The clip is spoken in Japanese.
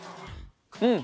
うん。